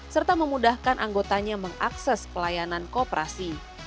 serta memudahkan anggotanya mengakses pelayanan koperasi